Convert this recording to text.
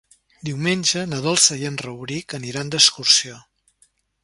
Diumenge na Dolça i en Rauric aniran d'excursió.